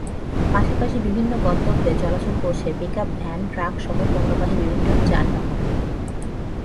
পাশাপাশি বিভিন্ন গন্তব্যে চলাচল করছে পিকআপ ভ্যান, ট্রাকসহ পণ্যবাহী বিভিন্ন যানবাহন।